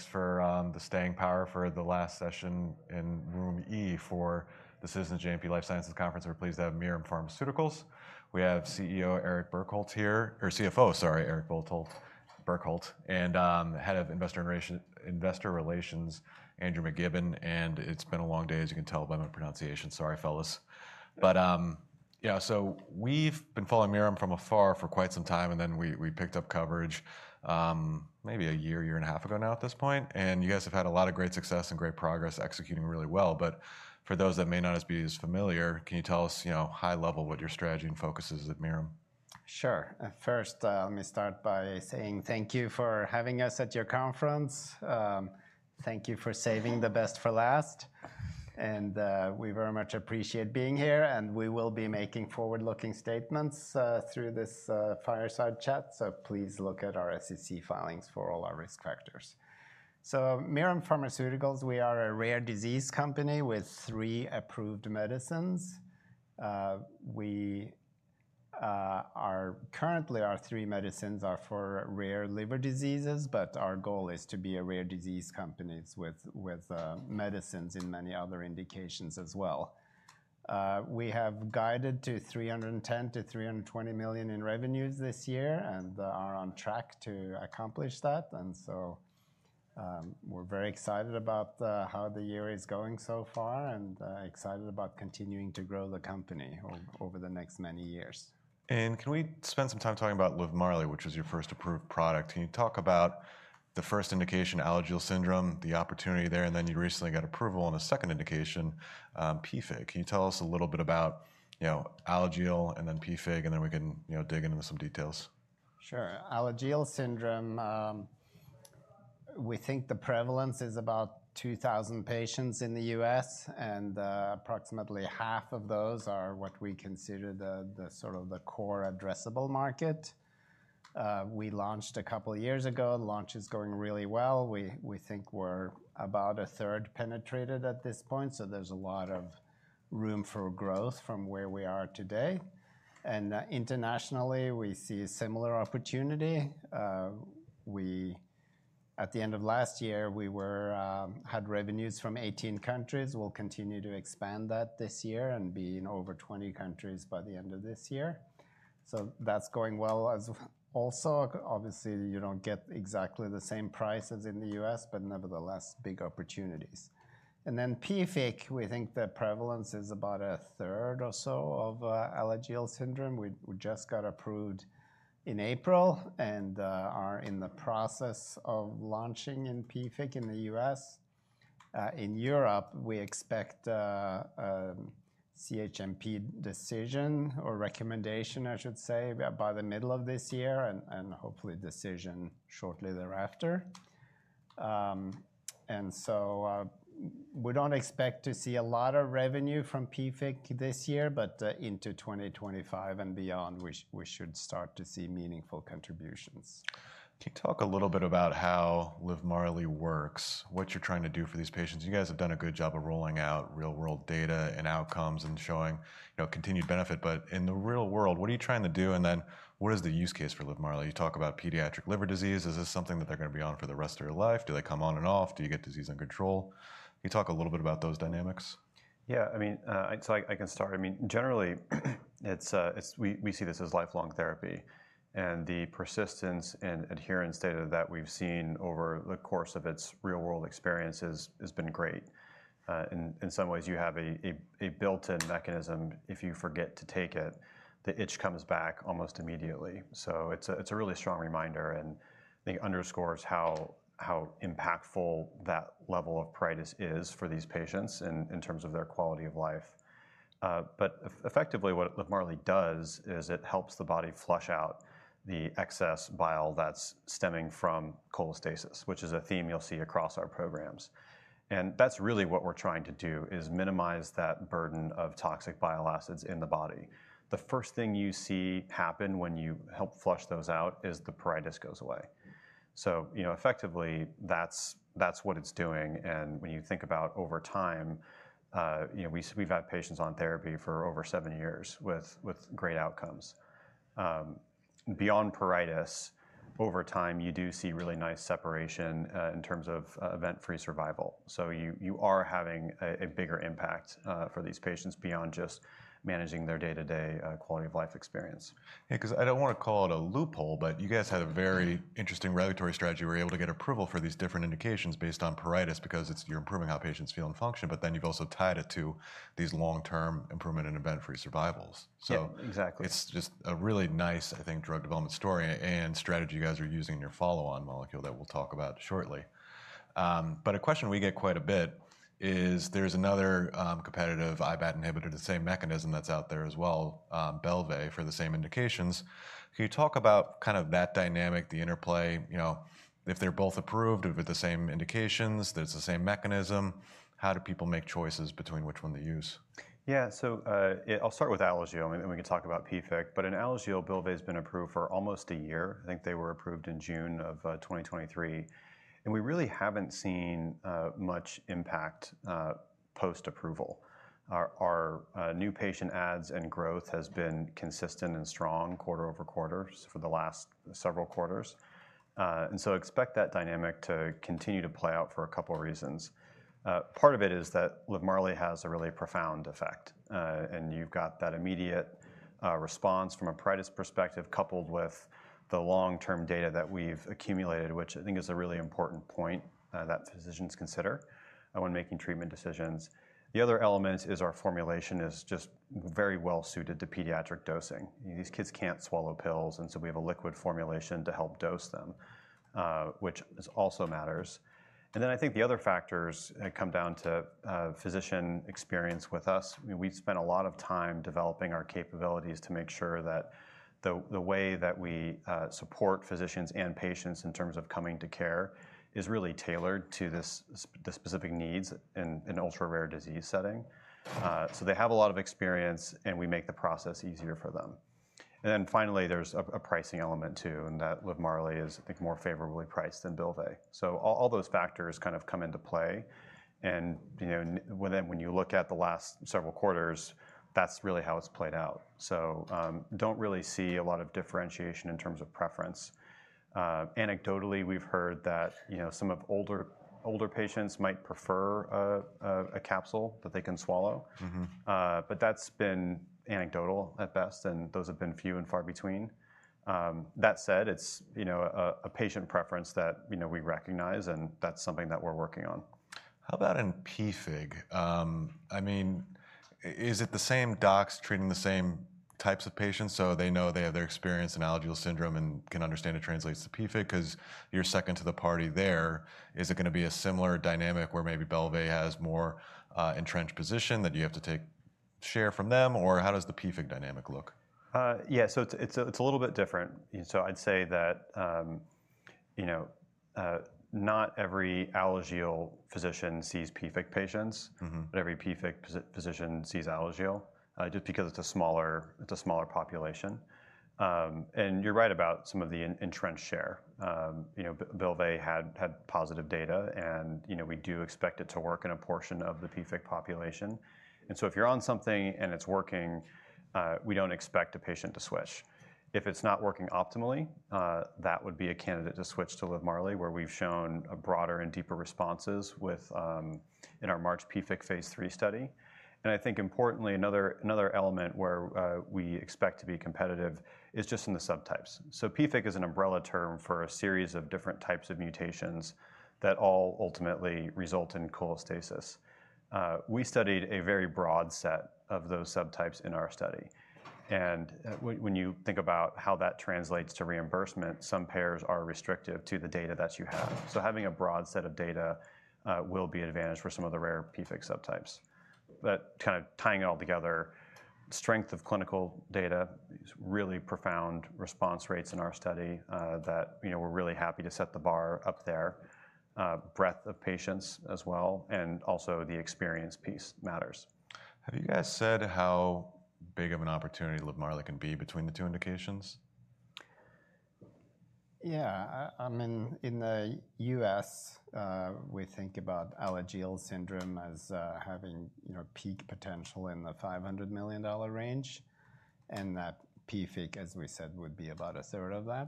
Thanks for the staying power for the last session in Room E for the Citizens JMP Life Sciences Conference. We're pleased to have Mirum Pharmaceuticals. We have CEO Eric Bjerkholt here—or CFO, sorry, Eric Bjerkholt—and Head of Investor Relations, Andrew McKibben. And it's been a long day, as you can tell by my pronunciation. Sorry, fellas. But, yeah, so we've been following Mirum from afar for quite some time, and then we picked up coverage, maybe a year, year and a half ago now at this point. And you guys have had a lot of great success and great progress executing really well. But for those that may not be as familiar, can you tell us, you know, high level what your strategy and focus is at Mirum? Sure. First, let me start by saying thank you for having us at your conference. Thank you for saving the best for last. We very much appreciate being here, and we will be making forward-looking statements through this fireside chat. So please look at our SEC filings for all our risk factors. So Mirum Pharmaceuticals, we are a rare disease company with three approved medicines. We are currently our three medicines are for rare liver diseases, but our goal is to be a rare disease company with medicines in many other indications as well. We have guided to $310 million-$320 million in revenues this year and are on track to accomplish that. So we're very excited about how the year is going so far and excited about continuing to grow the company over the next many years. Can we spend some time talking about Livmarli, which was your first approved product? Can you talk about the first indication, Alagille syndrome, the opportunity there, and then you recently got approval on a second indication, PFIC? Can you tell us a little bit about, you know, Alagille and then PFIC, and then we can, you know, dig into some details? Sure. Alagille syndrome, we think the prevalence is about 2,000 patients in the US, and, approximately half of those are what we consider the, the sort of the core addressable market. We launched a couple of years ago. Launch is going really well. We, we think we're about a third penetrated at this point, so there's a lot of room for growth from where we are today. And, internationally, we see a similar opportunity. We at the end of last year, we were, had revenues from 18 countries. We'll continue to expand that this year and be in over 20 countries by the end of this year. So that's going well as also, obviously, you don't get exactly the same price as in the US, but nevertheless, big opportunities. And then PFIC, we think the prevalence is about a third or so of, Alagille syndrome. We just got approved in April and are in the process of launching in PFIC in the U.S. In Europe, we expect CHMP decision or recommendation, I should say, by the middle of this year and hopefully decision shortly thereafter. And so, we don't expect to see a lot of revenue from PFIC this year, but into 2025 and beyond, we should start to see meaningful contributions. Can you talk a little bit about how Livmarli works, what you're trying to do for these patients? You guys have done a good job of rolling out real-world data and outcomes and showing, you know, continued benefit. But in the real world, what are you trying to do, and then what is the use case for Livmarli? You talk about pediatric liver disease. Is this something that they're gonna be on for the rest of their life? Do they come on and off? Do you get disease under control? Can you talk a little bit about those dynamics? Yeah. I mean, so I can start. I mean, generally, it's we see this as lifelong therapy. And the persistence and adherence data that we've seen over the course of its real-world experience is been great. In some ways, you have a built-in mechanism. If you forget to take it, the itch comes back almost immediately. So it's a really strong reminder and I think underscores how impactful that level of pruritus is for these patients in terms of their quality of life. But effectively, what Livmarli does is it helps the body flush out the excess bile that's stemming from cholestasis, which is a theme you'll see across our programs. And that's really what we're trying to do, is minimize that burden of toxic bile acids in the body. The first thing you see happen when you help flush those out is the pruritus goes away. So, you know, effectively, that's, that's what it's doing. And when you think about over time, you know, we've had patients on therapy for over seven years with, with great outcomes. Beyond pruritus, over time, you do see really nice separation, in terms of, event-free survival. So you, you are having a, a bigger impact, for these patients beyond just managing their day-to-day, quality of life experience. Yeah. 'Cause I don't wanna call it a loophole, but you guys had a very interesting regulatory strategy. You were able to get approval for these different indications based on pruritus because it's you're improving how patients feel and function, but then you've also tied it to these long-term improvement in event-free survival. So. Yeah. Exactly. It's just a really nice, I think, drug development story and strategy you guys are using in your follow-on molecule that we'll talk about shortly. But a question we get quite a bit is there's another, competitive IBAT inhibitor, the same mechanism that's out there as well, Bylvay for the same indications. Can you talk about kind of that dynamic, the interplay, you know, if they're both approved, if they're the same indications, there's the same mechanism, how do people make choices between which one to use? Yeah. So, I'll start with Alagille and we can talk about PFIC. But in Alagille, Bylvay's been approved for almost a year. I think they were approved in June of 2023. And we really haven't seen much impact post-approval. Our new patient adds and growth has been consistent and strong quarter-over-quarter for the last several quarters. And so expect that dynamic to continue to play out for a couple of reasons. Part of it is that Livmarli has a really profound effect, and you've got that immediate response from a pruritus perspective coupled with the long-term data that we've accumulated, which I think is a really important point that physicians consider when making treatment decisions. The other element is our formulation is just very well suited to pediatric dosing. These kids can't swallow pills, and so we have a liquid formulation to help dose them, which also matters. And then I think the other factors come down to physician experience with us. I mean, we've spent a lot of time developing our capabilities to make sure that the way that we support physicians and patients in terms of coming to care is really tailored to this, the specific needs in the ultra-rare disease setting. So they have a lot of experience, and we make the process easier for them. And then finally, there's a pricing element too, and that Livmarli is, I think, more favorably priced than Bylvay. So all those factors kind of come into play. And, you know, when you look at the last several quarters, that's really how it's played out. So, don't really see a lot of differentiation in terms of preference. Anecdotally, we've heard that, you know, some of older, older patients might prefer a capsule that they can swallow. But that's been anecdotal at best, and those have been few and far between. That said, it's, you know, a patient preference that, you know, we recognize, and that's something that we're working on. How about in PFIC? I mean, is it the same docs treating the same types of patients so they know they have their experience in Alagille syndrome and can understand it translates to PFIC? 'Cause you're second to the party there. Is it gonna be a similar dynamic where maybe Bylvay has more entrenched position that you have to take share from them, or how does the PFIC dynamic look? Yeah. So it's a little bit different. You know, so I'd say that, you know, not every Alagille physician sees PFIC patients. But every PFIC physician sees Alagille, just because it's a smaller population. And you're right about some of the entrenched share. You know, Bylvay had positive data, and, you know, we do expect it to work in a portion of the PFIC population. And so if you're on something and it's working, we don't expect a patient to switch. If it's not working optimally, that would be a candidate to switch to Livmarli, where we've shown broader and deeper responses within our MARCH PFIC Phase III study. And I think importantly, another element where we expect to be competitive is just in the subtypes. So PFIC is an umbrella term for a series of different types of mutations that all ultimately result in cholestasis. We studied a very broad set of those subtypes in our study. When you think about how that translates to reimbursement, some payers are restrictive to the data that you have. So having a broad set of data will be an advantage for some of the rare PFIC subtypes. But kind of tying it all together, strength of clinical data, these really profound response rates in our study, that, you know, we're really happy to set the bar up there, breadth of patients as well, and also the experience piece matters. Have you guys said how big of an opportunity Livmarli can be between the two indications? Yeah. I mean, in the US, we think about Alagille syndrome as having, you know, peak potential in the $500 million range and that PFIC, as we said, would be about a third of that.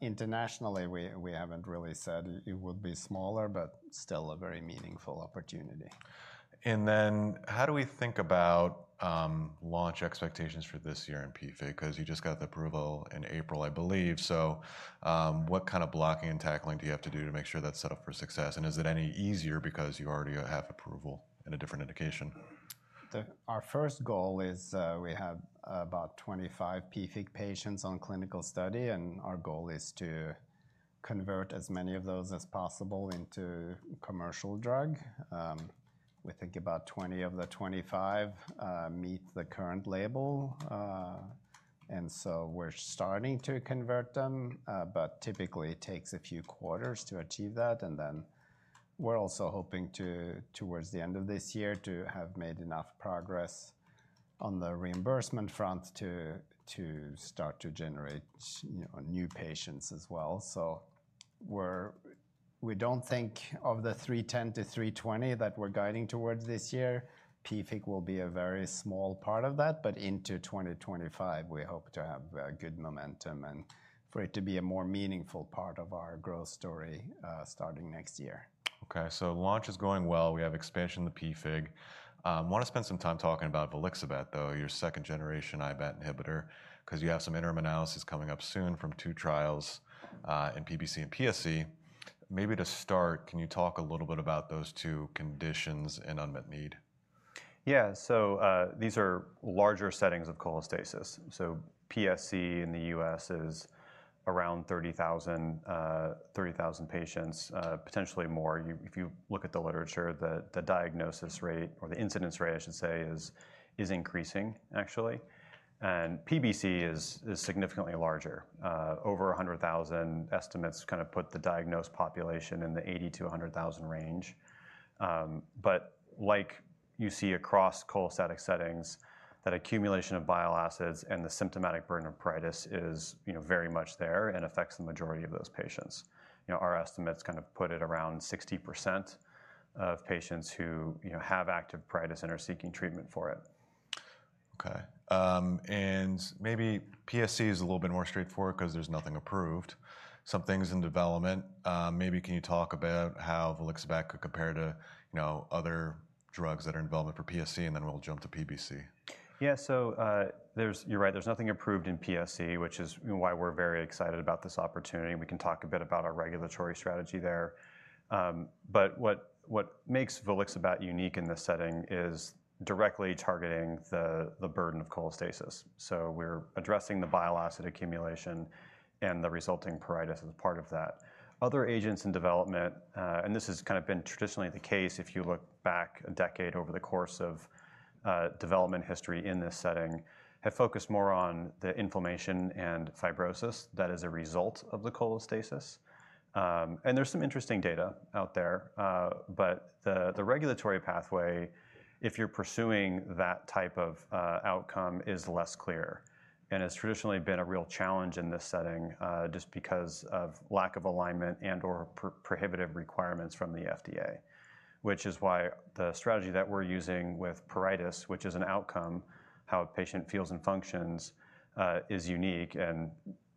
Internationally, we haven't really said it would be smaller, but still a very meaningful opportunity. And then how do we think about launch expectations for this year in PFIC? 'Cause you just got the approval in April, I believe. So, what kind of blocking and tackling do you have to do to make sure that's set up for success? And is it any easier because you already have approval in a different indication? Our first goal is, we have about 25 PFIC patients on clinical study, and our goal is to convert as many of those as possible into commercial drug. We think about 20 of the 25 meet the current label, and so we're starting to convert them, but typically it takes a few quarters to achieve that. And then we're also hoping to, towards the end of this year, to have made enough progress on the reimbursement front to start to generate, you know, new patients as well. So we don't think of the 310-320 that we're guiding towards this year. PFIC will be a very small part of that, but into 2025, we hope to have a good momentum and for it to be a more meaningful part of our growth story, starting next year. Okay. So launch is going well. We have expansion to PFIC. Wanna spend some time talking about volixibat, though, your second-generation IBAT inhibitor, 'cause you have some interim analysis coming up soon from two trials, in PBC and PSC. Maybe to start, can you talk a little bit about those two conditions and unmet need? Yeah. So, these are larger settings of cholestasis. So PSC in the U.S. is around 30,000, 30,000 patients, potentially more. You, if you look at the literature, the diagnosis rate or the incidence rate, I should say, is increasing, actually. And PBC is significantly larger. Over 100,000 estimates kind of put the diagnosed population in the 80,000-100,000 range. But like you see across cholestatic settings, that accumulation of bile acids and the symptomatic burden of pruritus is, you know, very much there and affects the majority of those patients. You know, our estimates kind of put it around 60% of patients who, you know, have active pruritus and are seeking treatment for it. Okay. And maybe PSC is a little bit more straightforward 'cause there's nothing approved. Something's in development. Maybe can you talk about how volixibat could compare to, you know, other drugs that are in development for PSC, and then we'll jump to PBC? Yeah. So, you're right. There's nothing approved in PSC, which is why we're very excited about this opportunity. We can talk a bit about our regulatory strategy there, but what makes volixibat unique in this setting is directly targeting the burden of cholestasis. So we're addressing the bile acid accumulation and the resulting pruritus as part of that. Other agents in development, and this has kind of been traditionally the case. If you look back a decade over the course of development history in this setting, have focused more on the inflammation and fibrosis that is a result of the cholestasis. and there's some interesting data out there, but the regulatory pathway, if you're pursuing that type of outcome, is less clear and has traditionally been a real challenge in this setting, just because of lack of alignment and/or prohibitive requirements from the FDA, which is why the strategy that we're using with pruritus, which is an outcome, how a patient feels and functions, is unique and,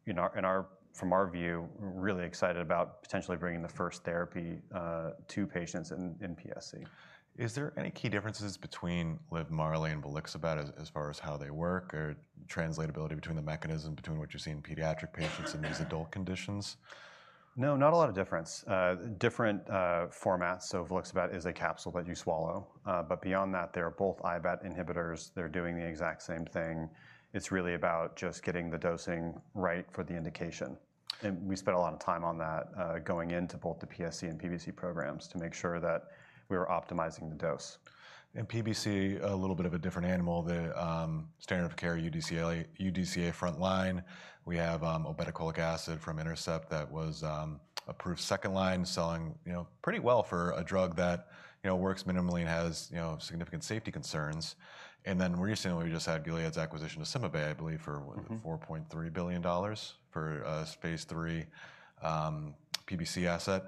you know, from our view, really excited about potentially bringing the first therapy to patients in PSC. Is there any key differences between Livmarly and volixibat as far as how they work or translatability between the mechanism between what you're seeing in pediatric patients and these adult conditions? No, not a lot of difference. Different formats. So volixibat is a capsule that you swallow. But beyond that, they're both IBAT inhibitors. They're doing the exact same thing. It's really about just getting the dosing right for the indication. And we spent a lot of time on that, going into both the PSC and PBC programs to make sure that we were optimizing the dose. And PBC, a little bit of a different animal. The standard of care, UDCA front line. We have obeticholic acid from Intercept that was approved second line, selling, you know, pretty well for a drug that, you know, works minimally and has, you know, significant safety concerns. And then recently, we just had Gilead's acquisition of CymaBay, I believe, for $4.3 billion for a Phase III PBC asset.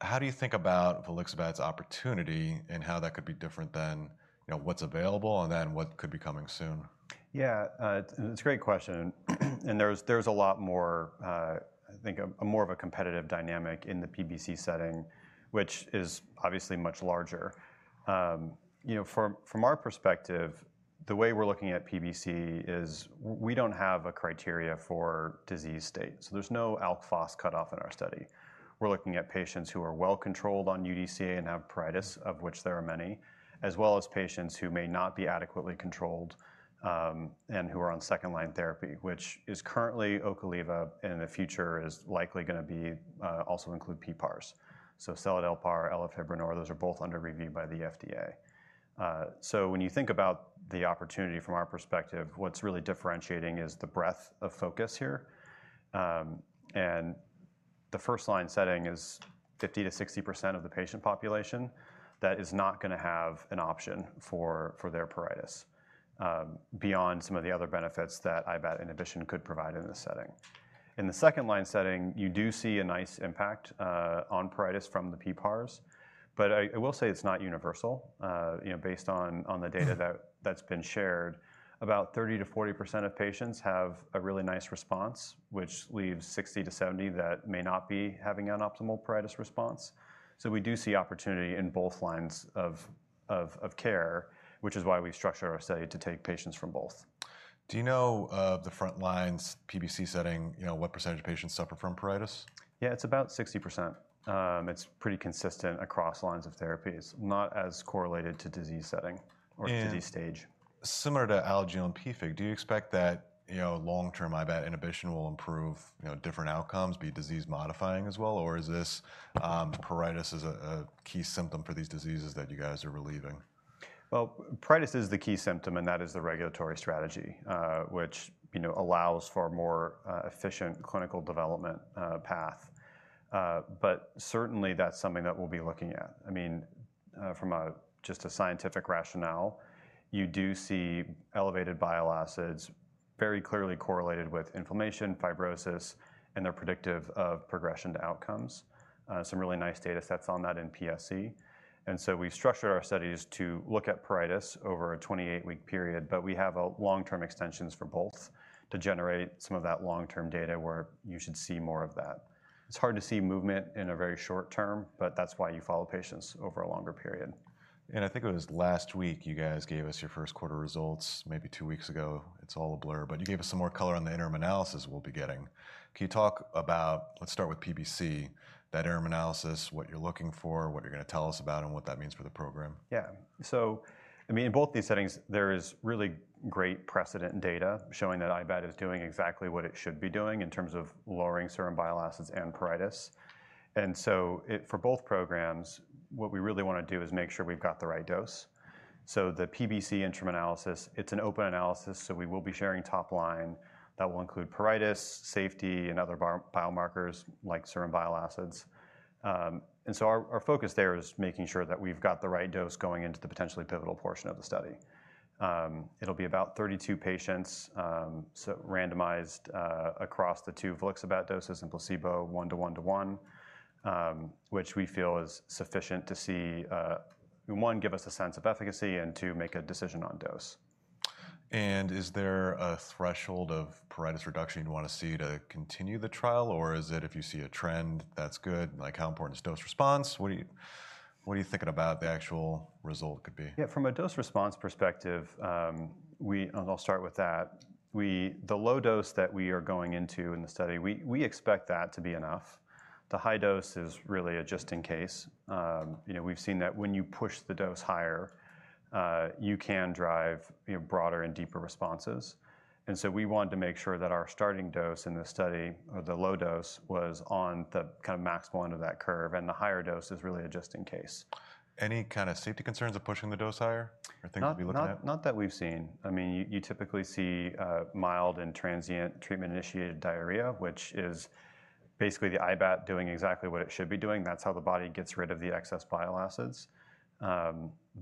How do you think about volixibat's opportunity and how that could be different than, you know, what's available and then what could be coming soon? Yeah. It's a great question. And there's, there's a lot more, I think, a, a more of a competitive dynamic in the PBC setting, which is obviously much larger. You know, from, from our perspective, the way we're looking at PBC is w-we don't have a criteria for disease state. So there's no alk-phos cutoff in our study. We're looking at patients who are well controlled on UDCA and have pruritus, of which there are many, as well as patients who may not be adequately controlled, and who are on second-line therapy, which is currently Ocaliva and in the future is likely gonna be, also include PPARs. So seladelpar, elafibranor, those are both under review by the FDA. So when you think about the opportunity from our perspective, what's really differentiating is the breadth of focus here. And the first-line setting is 50%-60% of the patient population that is not gonna have an option for their pruritus, beyond some of the other benefits that IBAT inhibition could provide in this setting. In the second-line setting, you do see a nice impact on pruritus from the PPARs, but I will say it's not universal, you know, based on the data that's been shared. About 30%-40% of patients have a really nice response, which leaves 60%-70% that may not be having an optimal pruritus response. So we do see opportunity in both lines of care, which is why we structure our study to take patients from both. Do you know, the front lines PBC setting, you know, what percentage of patients suffer from pruritus? Yeah. It's about 60%. It's pretty consistent across lines of therapy. It's not as correlated to disease setting or disease stage. Yeah. Similar to Alagille and PFIC, do you expect that, you know, long-term IBAT inhibition will improve, you know, different outcomes, be disease-modifying as well, or is this, pruritus is a key symptom for these diseases that you guys are relieving? Well, pruritus is the key symptom, and that is the regulatory strategy, which, you know, allows for a more efficient clinical development path. But certainly, that's something that we'll be looking at. I mean, from just a scientific rationale, you do see elevated bile acids very clearly correlated with inflammation, fibrosis, and they're predictive of progression to outcomes. Some really nice data sets on that in PSC. And so we structured our studies to look at pruritus over a 28-week period, but we have long-term extensions for both to generate some of that long-term data where you should see more of that. It's hard to see movement in a very short term, but that's why you follow patients over a longer period. I think it was last week you guys gave us your first quarter results, maybe two weeks ago. It's all a blur, but you gave us some more color on the interim analysis we'll be getting. Can you talk about, let's start with PBC, that interim analysis, what you're looking for, what you're gonna tell us about, and what that means for the program? Yeah. So, I mean, in both these settings, there is really great precedent data showing that IBAT is doing exactly what it should be doing in terms of lowering serum bile acids and pruritus. And so for both programs, what we really wanna do is make sure we've got the right dose. So the PBC interim analysis, it's an open analysis, so we will be sharing top line. That will include pruritus, safety, and other biomarkers like serum bile acids. And so our focus there is making sure that we've got the right dose going into the potentially pivotal portion of the study. It'll be about 32 patients, so randomized, across the two volixibat doses and placebo, one to one to one, which we feel is sufficient to see, one, give us a sense of efficacy and, two, make a decision on dose. Is there a threshold of pruritus reduction you'd wanna see to continue the trial, or is it if you see a trend, that's good? Like, how important is dose response? What are you thinking about the actual result could be? Yeah. From a dose response perspective, and I'll start with that. With the low dose that we are going into in the study, we expect that to be enough. The high dose is really a just-in-case, you know. We've seen that when you push the dose higher, you can drive, you know, broader and deeper responses. And so we wanted to make sure that our starting dose in this study, or the low dose, was on the kind of maximum end of that curve, and the higher dose is really a just-in-case. Any kind of safety concerns of pushing the dose higher or things to be looking at? No, not that we've seen. I mean, you typically see mild and transient treatment-initiated diarrhea, which is basically the IBAT doing exactly what it should be doing. That's how the body gets rid of the excess bile acids.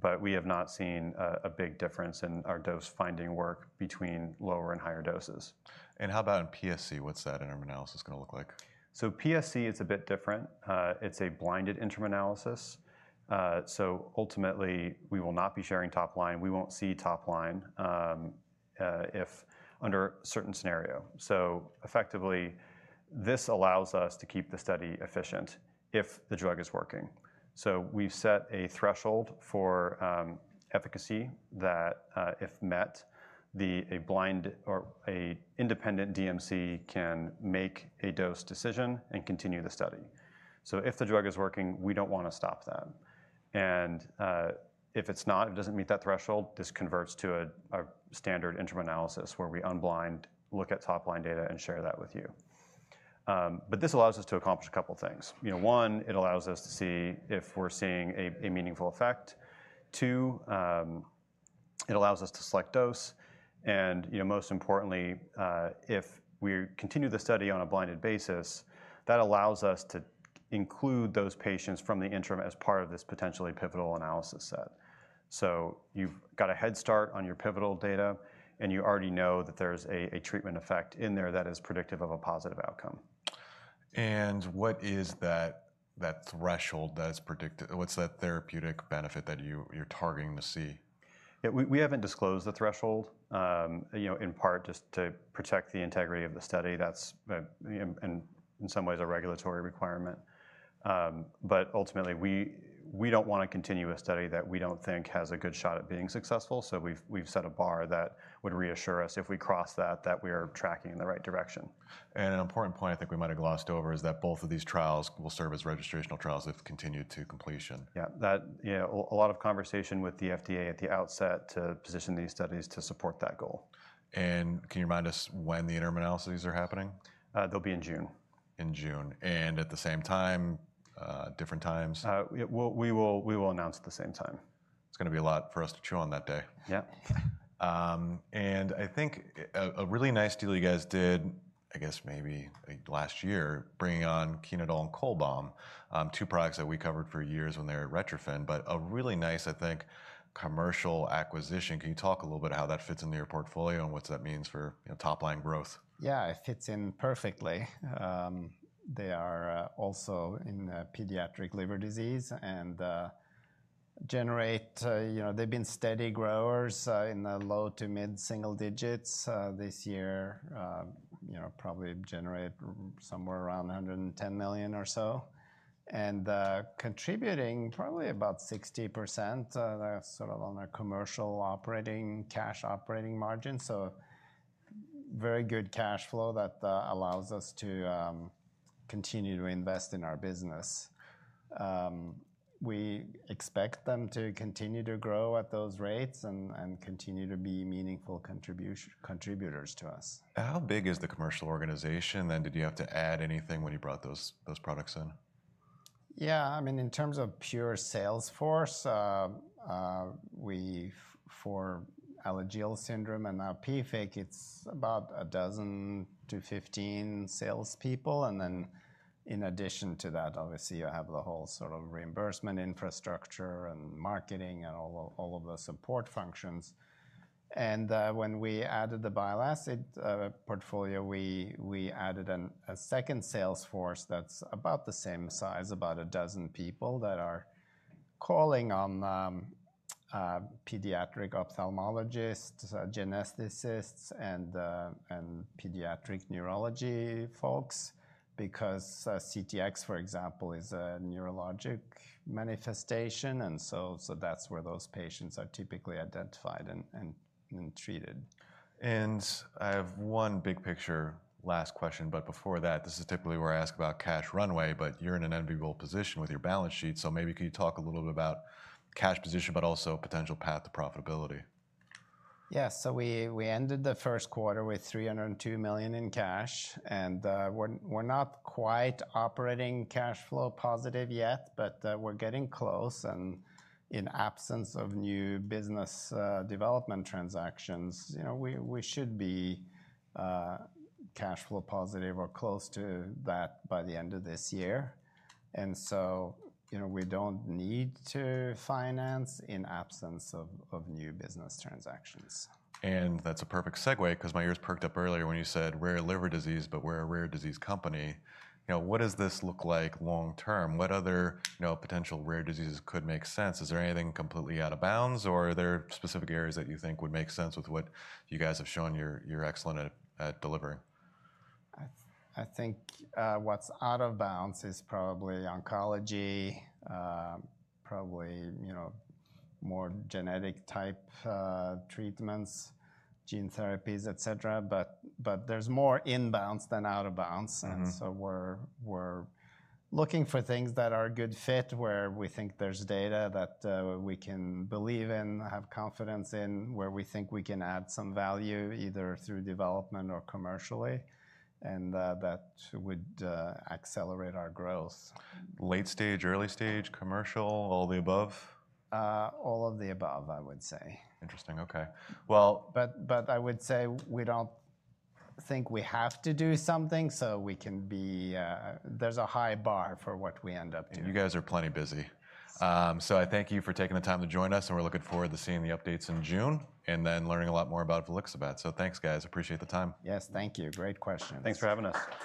But we have not seen a big difference in our dose-finding work between lower and higher doses. How about in PSC? What's that interim analysis gonna look like? So PSC, it's a bit different. It's a blinded interim analysis. So ultimately, we will not be sharing top line. We won't see top line if under a certain scenario. So effectively, this allows us to keep the study efficient if the drug is working. So we've set a threshold for efficacy that, if met, a blinded or an independent DMC can make a dose decision and continue the study. So if the drug is working, we don't wanna stop that. And if it's not, if it doesn't meet that threshold, this converts to a standard interim analysis where we unblind, look at top line data, and share that with you. But this allows us to accomplish a couple of things. You know, one, it allows us to see if we're seeing a meaningful effect. Two, it allows us to select dose. You know, most importantly, if we continue the study on a blinded basis, that allows us to include those patients from the interim as part of this potentially pivotal analysis set. So you've got a head start on your pivotal data, and you already know that there's a treatment effect in there that is predictive of a positive outcome. What is that, that threshold that's predictive? What's that therapeutic benefit that you, you're targeting to see? Yeah. We haven't disclosed the threshold, you know, in part just to protect the integrity of the study. That's, and in some ways, a regulatory requirement. But ultimately, we don't wanna continue a study that we don't think has a good shot at being successful. So we've set a bar that would reassure us if we cross that, we are tracking in the right direction. An important point I think we might have glossed over is that both of these trials will serve as registrational trials if continued to completion. Yeah. That, yeah, a lot of conversation with the FDA at the outset to position these studies to support that goal. Can you remind us when the interim analyses are happening? they'll be in June. In June. And at the same time, different times? Yeah. We'll announce at the same time. It's gonna be a lot for us to chew on that day. Yeah. And I think a really nice deal you guys did, I guess maybe last year, bringing on Chenodal and Cholbam, two products that we covered for years when they were at Retrophin, but a really nice, I think, commercial acquisition. Can you talk a little bit about how that fits into your portfolio and what that means for, you know, top line growth? Yeah. It fits in perfectly. They are also in pediatric liver disease and generate, you know, they've been steady growers in the low- to mid-single digits. This year, you know, probably generate somewhere around $110 million or so. And contributing probably about 60%, sort of on our commercial operating cash operating margin. So very good cash flow that allows us to continue to invest in our business. We expect them to continue to grow at those rates and continue to be meaningful contribution contributors to us. How big is the commercial organization then? Did you have to add anything when you brought those products in? Yeah. I mean, in terms of pure sales force, we for Alagille syndrome and now PFIC, it's about 12 to 15 salespeople. And then in addition to that, obviously, you have the whole sort of reimbursement infrastructure and marketing and all of the support functions. And when we added the bile acid portfolio, we added a second sales force that's about the same size, about 12 people that are calling on pediatric ophthalmologists, geneticists, and pediatric neurology folks because CTX, for example, is a neurologic manifestation. So that's where those patients are typically identified and treated. I have one big picture last question, but before that, this is typically where I ask about cash runway, but you're in an enviable position with your balance sheet. So maybe can you talk a little bit about cash position but also potential path to profitability? Yeah. So we ended the first quarter with $302 million in cash. And we're not quite operating cash flow positive yet, but we're getting close. And in absence of new business development transactions, you know, we should be cash flow positive or close to that by the end of this year. And so, you know, we don't need to finance in absence of new business transactions. And that's a perfect segue 'cause my ears perked up earlier when you said rare liver disease, but we're a rare disease company. You know, what does this look like long term? What other, you know, potential rare diseases could make sense? Is there anything completely out of bounds, or are there specific areas that you think would make sense with what you guys have shown you're excellent at delivering? I think, what's out of bounds is probably oncology, you know, more genetic type treatments, gene therapies, et cetera. But there's more in bounds than out of bounds. And so we're looking for things that are a good fit where we think there's data that we can believe in, have confidence in, where we think we can add some value either through development or commercially. And that would accelerate our growth. Late stage, early stage, commercial, all the above? All of the above, I would say. Interesting. Okay. Well. But I would say we don't think we have to do something so we can be. There's a high bar for what we end up doing. You guys are plenty busy. So I thank you for taking the time to join us, and we're looking forward to seeing the updates in June and then learning a lot more about volixibat. So thanks, guys. Appreciate the time. Yes. Thank you. Great questions. Thanks for having us.